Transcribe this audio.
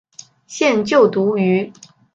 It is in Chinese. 现就读于。